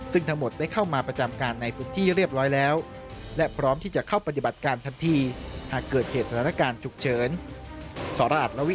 ซึ่งทั้งหมดได้เข้ามาประจำการแบบเหลือประจำการในพื้นที่เรียบร้อยแล้ว